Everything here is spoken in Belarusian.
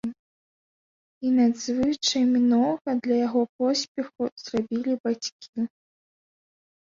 І надзвычай многа для яго поспеху зрабілі бацькі.